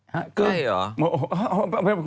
ฮะเก้ยเหรอ